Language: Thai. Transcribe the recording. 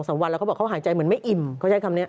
สามวันแล้วเขาบอกเขาหายใจเหมือนไม่อิ่มเขาใช้คำนี้